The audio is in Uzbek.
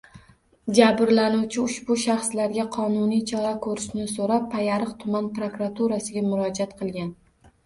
Jabrlanuvchi ushbu shaxslarga qonuniy chora ko‘rishni so‘rab Payariq tuman prokuraturasiga murojaat qilgan